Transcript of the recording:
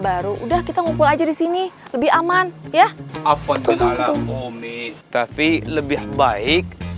baru udah kita ngumpul aja di sini lebih aman ya apotek alamu om ii tapi lebih baik